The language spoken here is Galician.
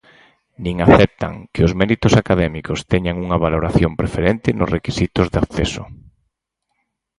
Nin aceptan que os méritos académicos teñan unha valoración preferente nos requisitos de acceso.